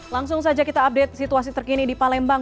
langsung saja kita update situasi terkini di palembang